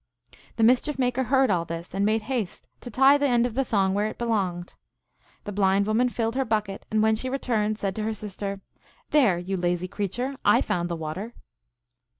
The Mischief Maker heard all this, and made haste to tie the end of the thong where it belonged. The blind woman filled her bucket, and when she returned said to her sister, " There, you lazy creature, I found the water